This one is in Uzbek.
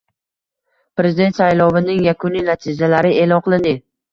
Prezident saylovining yakuniy natijalari e’lon qilinding